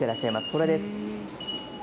これです。